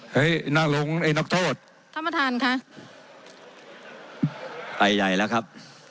นั่งลงไอ้นักโทษท่านประธานค่ะไปใหญ่แล้วครับ